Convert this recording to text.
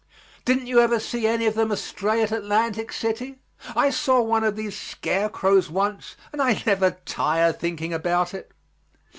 Didn't you ever see any of them astray at Atlantic City? I saw one of these scarecrows once and I never tire thinking about it.